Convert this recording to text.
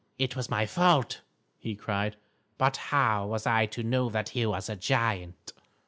"It was my fault," he cried, "but how was I to know that he was a giant?